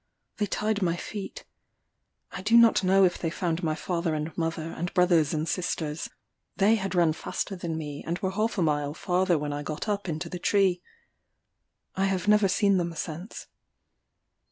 They tied my feet. I do not know if they found my father and mother, and brothers and sisters: they had run faster than me, and were half a mile farther when I got up into the tree: I have never seen them since.